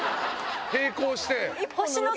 並行して。